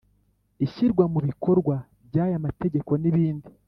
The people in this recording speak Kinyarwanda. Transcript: Ishyirwamubikorwa by’aya mategeko n’ibindi